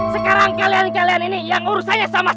sekarang kalian kalian ini yang urusannya sama sama